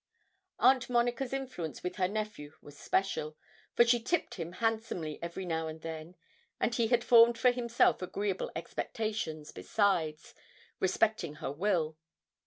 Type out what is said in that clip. Aunt Monica's influence with her nephew was special, for she 'tipped' him handsomely every now and then, and he had formed for himself agreeable expectations, besides, respecting her will.